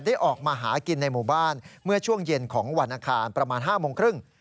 ได้ออกมาหากินในหมู่บ้านเมื่อช่วงเย็นของวันอังคารประมาณ๕โมงครึ่ง